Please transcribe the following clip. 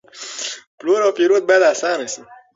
پلور او پېرود باید آسانه شي.